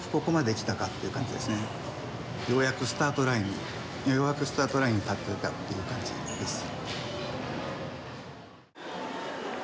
ようやくスタートラインにようやくスタートラインに立てたっていう感じです。